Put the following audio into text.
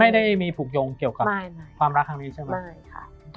ไม่ได้มีผูกโยงเกี่ยวกับความรักครั้งนี้ใช่ไหมใช่ค่ะ